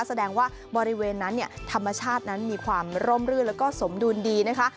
แสดงว่าบริเวณนั้นเนี่ยธรรมชาตินั้นมีความร่มรื่นแล้วก็สมดุลดีนะคะ